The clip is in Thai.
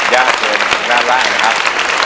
ยานเคิลน้ำลาอ่อนครับ